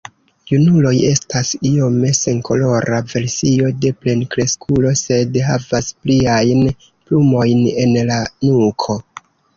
Junuloj estas iome senkolora versio de plenkreskulo sed havas pliajn plumojn en la nuko.